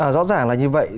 rõ ràng là như vậy